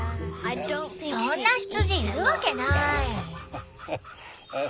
そんな羊いるわけない！